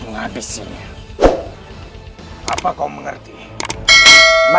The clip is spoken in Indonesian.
menghabisinya apa kau mengerti baik ya anda